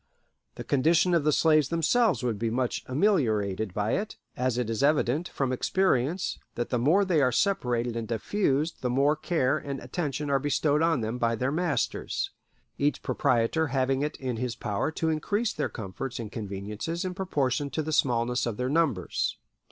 The condition of the slaves themselves would be much ameliorated by it, as it is evident, from experience, that the more they are separated and diffused the more care and attention are bestowed on them by their masters, each proprietor having it in his power to increase their comforts and conveniences in proportion to the smallness of their numbers."